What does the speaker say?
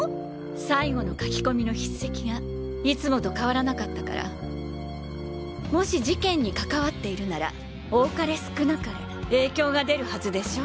最後の書き込みの筆跡がいつもと変わらなかったからもし事件に関わっているなら多かれ少なかれ影響が出るはずでしょ？